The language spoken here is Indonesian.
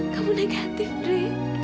kamu negatif rik